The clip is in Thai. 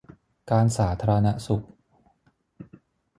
การสาธารณสุข